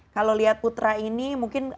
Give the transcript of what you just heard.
kalau lihat putra ini mungkin